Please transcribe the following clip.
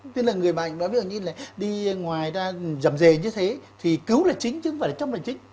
thế là người bệnh đó ví dụ như là đi ngoài ra dầm dề như thế thì cứu là chính chứ không phải là châm là chính